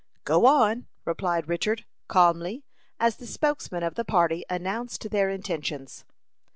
"Go on," replied Richard, calmly, as the spokesman of the party announced their intentions.